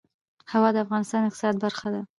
هوا د افغانستان د اقتصاد برخه ده.